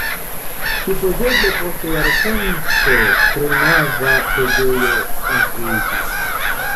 Supozeble post jarcento trinava preĝejo konstruiĝis.